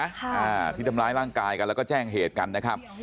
อ่าที่ทำร้ายร่างกายกันแล้วก็แจ้งเหตุกันนะครับ